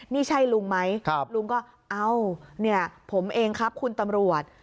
นี่ใช่ลุงไหมลุงก็เอ้าเนี่ยผมเองครับคุณตำรวจ